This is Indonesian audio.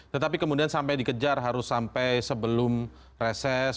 tetapi kemudian sampai dikejar harus sampai sebelum reses